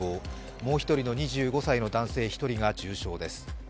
もう１人の２５歳の男性１人が重傷です。